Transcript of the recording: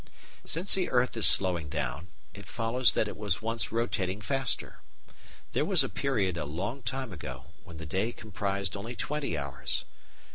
Since the earth is slowing down, it follows that it was once rotating faster. There was a period, a long time ago, when the day comprised only twenty hours.